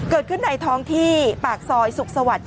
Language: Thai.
เกิดขึ้นในท้องที่ปากซอยสุขสวรรค์๗๔